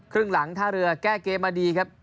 ครึ่งหลังท่าเรือแก้เกมมาดีครับ